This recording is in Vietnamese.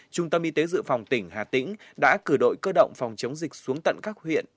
trung tâm y tế dự phòng tỉnh hà tĩnh đã cử đội cơ động phòng chống dịch xuống tận các huyện